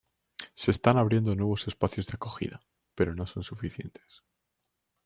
Se están abriendo nuevos espacios de acogida, pero no son suficientes.